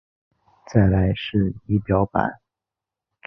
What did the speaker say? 再来是仪表板